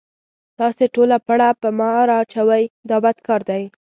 تاسې ټوله پړه په ما را اچوئ دا بد کار دی.